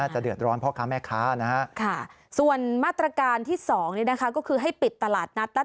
ประทับสิบธิประชาวนานของมีทั้งหมดทางสำคม